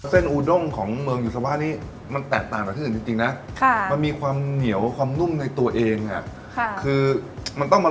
เส้นอุดงของเมืองอยู่สวรรค์นี้มันแตกต่างกับที่อื่นจริงนะมันมีความเหนียวความนุ่มในตัวเองคือมันต้องมารอด้วยนะครับ